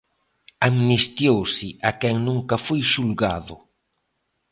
Amnistiouse a quen nunca foi xulgado.